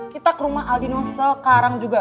kita ke rumah aldino sekarang juga